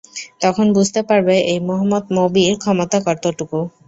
তখন বুঝতে পারবে এই মোহাম্মদ মবির ক্ষমতা কতটুকু?